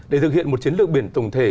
để thực hiện một chiến lược biển tổng thể